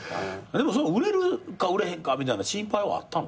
でも売れるか売れへんかみたいな心配はあったの？